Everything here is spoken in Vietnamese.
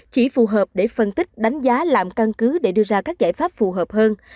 chỉ phù hợp để phân tích đánh giá làm căn cứ để đưa ra các giải pháp phù hợp hơn